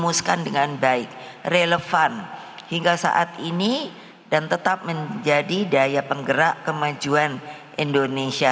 memuskan dengan baik relevan hingga saat ini dan tetap menjadi daya penggerak kemajuan indonesia